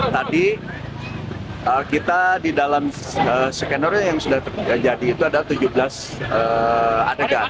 tadi kita di dalam skenario yang sudah terjadi itu ada tujuh belas adegan